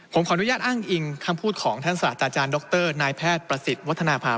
ผมขออนุญาตอ้างอิงคำพูดของท่านศาสตราจารย์ดรนายแพทย์ประสิทธิ์วัฒนภาพ